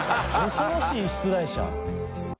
恐ろしい出題者。